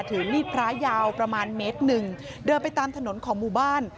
ถือมีดพระยาวประมาณเมตรหนึ่งเดินไปตามถนนของหมู่บ้าน